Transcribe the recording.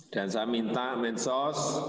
dan saya minta semakin cepat diterima semakin baik